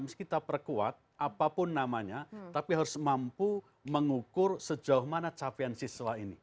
mesti kita perkuat apapun namanya tapi harus mampu mengukur sejauh mana capaian siswa ini